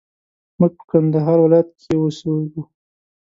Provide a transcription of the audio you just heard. موږ په کندهار ولايت کښي اوسېږو